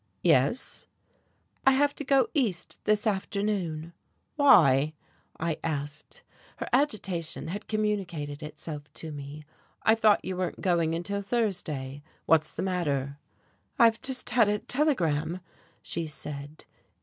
"Yes." "I have to go East this afternoon." "Why?" I asked. Her agitation had communicated itself to me. "I thought you weren't going until Thursday. What's the matter?" "I've just had a telegram," she said.